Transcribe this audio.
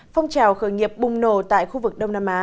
phong trào khởi nghiệp bùng nổ tại khu vực đông nam á